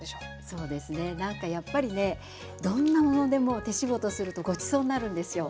そうですねなんかやっぱりねどんなものでも手仕事するとごちそうになるんですよ。